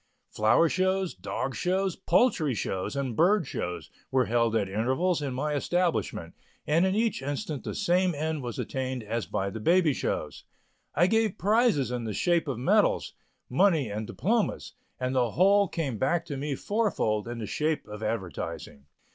Flower shows, dog shows, poultry shows and bird shows, were held at intervals in my establishment and in each instance the same end was attained as by the baby shows. I gave prizes in the shape of medals, money and diplomas and the whole came back to me four fold in the shape of advertising.